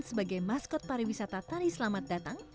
dan sebagai maskot pariwisata tari selamat datang